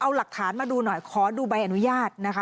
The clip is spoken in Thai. เอาหลักฐานมาดูหน่อยขอดูใบอนุญาตนะคะ